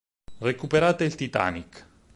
Recuperate il Titanic!